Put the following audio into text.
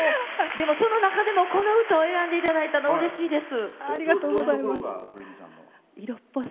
でも、その中でもこの歌を選んでいただいたのがうれしいです。